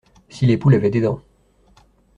Si les poules avaient des dents.